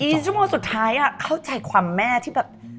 ชั่วโมงสุดท้ายเข้าใจความแม่ที่แบบ